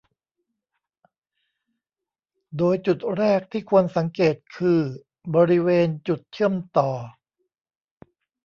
โดยจุดแรกที่ควรสังเกตคือ บริเวณจุดเชื่อมต่อ